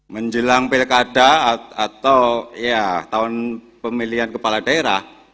menjelang perikada atau tahun pemilihan kepala daerah